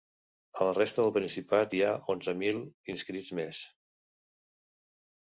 A la resta del Principat, hi ha onzen mil inscrits més.